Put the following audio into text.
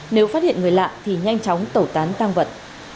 nếu phát hiện người lạ thì nhanh chóng tẩu tán tăng vật